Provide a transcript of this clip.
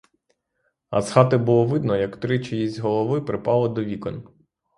А з хати було видно, як три чиїсь голови припали до вікон.